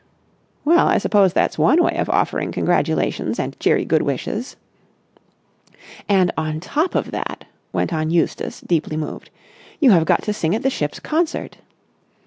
"Well, I suppose that's one way of offering congratulations and cheery good wishes." "And on top of that," went on Eustace, deeply moved, "you have got to sing at the ship's concert."